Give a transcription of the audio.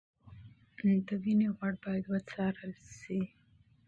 د وینې غوړ باید وڅارل شي.